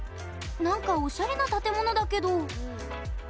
なんか、おしゃれな建物だけど。